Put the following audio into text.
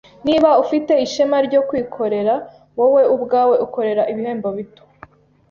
Niba ufite ishema ryo kwikorera wowe ubwawe ukorera ibihembo bito,